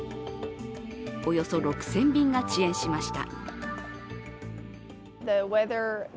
およそ６０００便が遅延しました。